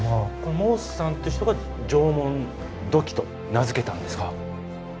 モースさんって人が縄文土器と名付けたんですか？